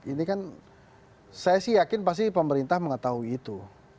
ini kan saya sih yakin pasti pemerintah mengetahui itu